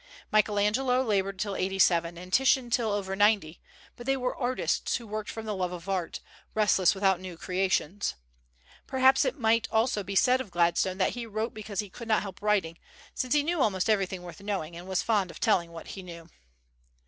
Michael Angelo labored till eighty seven, and Titian till over ninety; but they were artists who worked from the love of art, restless without new creations. Perhaps it might also be said of Gladstone that he wrote because he could not help writing, since he knew almost everything worth knowing, and was fond of telling what he knew.